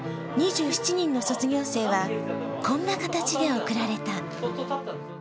２７人の卒業生は、こんな形で送られた。